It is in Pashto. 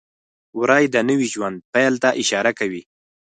وری د نوي ژوند پیل ته اشاره کوي.